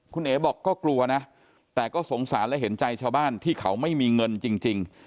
คุณเอ๋บอกก็กลัวนะแต่ก็สงสารและเห็นใจชาวบ้านที่เขาไม่มีเงินจริง